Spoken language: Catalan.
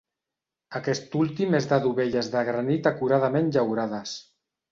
Aquest últim és de dovelles de granit acuradament llaurades.